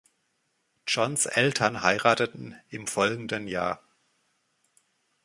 Johns Eltern heirateten im folgenden Jahr.